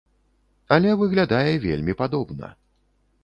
Але выглядае вельмі падобна.